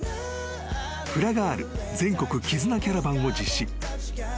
フラガール全国きずなキャラバンを実施］